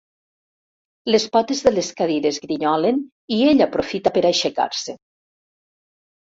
Les potes de les cadires grinyolen i ell aprofita per aixecar-se.